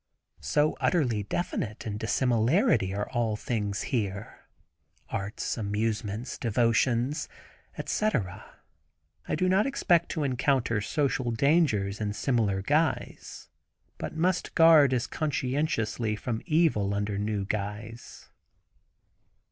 So utterly definite in dissimilarity are all things here—arts, amusements, devotions, etc. I do not expect to encounter social dangers in similar guise, but must guard as conscientiously from evil under new guise.